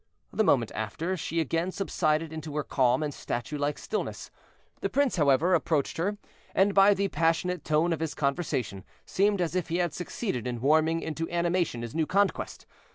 The moment after, she again subsided into her calm and statue like stillness. The prince, however, approached her, and by the passionate tone of his conversation, seemed as if he had succeeded in warming into animation his new conquest.